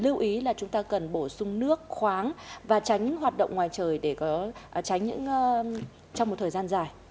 lưu ý là chúng ta cần bổ sung nước khoáng và tránh hoạt động ngoài trời để tránh trong một thời gian dài